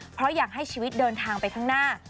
เพราะอยากให้ชีวิตเดินทางไปข้างหน้า